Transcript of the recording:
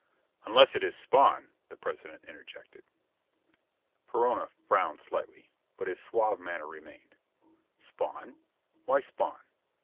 "Unless it is Spawn," the President interjected. Perona frowned slightly. But his suave manner remained. "Spawn? Why Spawn?"